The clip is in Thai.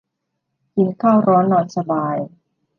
กินข้าวร้อนนอนสบาย